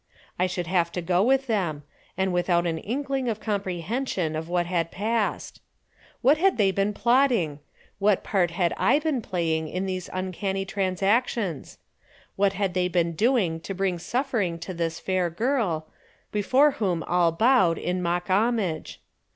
I should have to go with them, and without an inkling of comprehension of what had passed! What had they been plotting? What part had I been playing in these uncanny transactions? What had they been doing to bring suffering to this fair girl, before whom all bowed in mock homage?